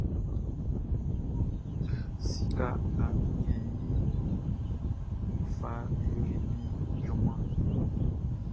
Sika nga n ɲɛnnin iʼn, n fa yoli min junmanʼn.